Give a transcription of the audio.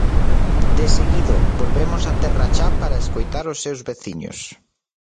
Deseguido, volvemos á Terra Cha para escoitar os seus veciños.